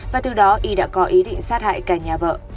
và từ đó y đã có ý định sát hại cả nhà vợ